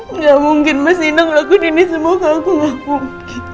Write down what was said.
enggak mungkin masih nong laku ini semua kaku ngapung